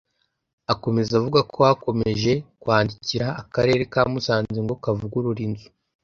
Akomeza avuga ko bakomeje kwandikira akarere ka Musanze ngo kavugurure inzu